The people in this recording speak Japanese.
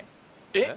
えっ？